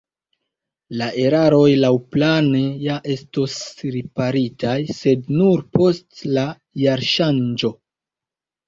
La eraroj laŭplane ja estos riparitaj, sed nur post la jarŝanĝo.